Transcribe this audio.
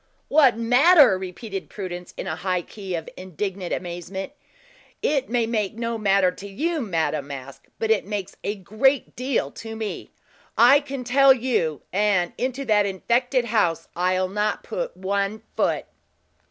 "What matter?" repeated Prudence, in a high key of indignant amazement. "It may make no matter to you, Madame Masque, but it makes a great deal to me; I can tell you; and into that infected house I'll not put one foot."